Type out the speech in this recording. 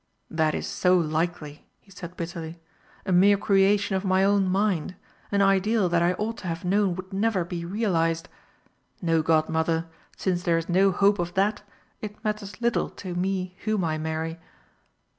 "That is so likely!" he said bitterly. "A mere creation of my own mind an ideal that I ought to have known would never be realised! No, Godmother, since there is no hope of that, it matters little to me whom I marry!"